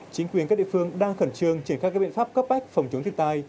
chính quyền các địa phương đang khẩn trương triển khắc các biện pháp cấp bách phòng chống thiệt tai